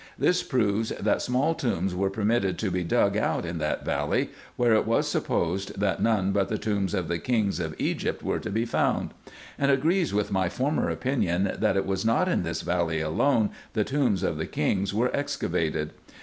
This proves, that small tombs were permitted to be dug out in that valley, where it was supposed, that none but the tombs of the kings of Egypt were to be found ; and agrees with my former opinion, that it was not in this valley alone the tombs of the kings were excavated.